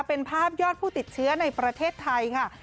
เป็นภาพยอดผู้ติดเชื้อในประเทศไทยค่ะ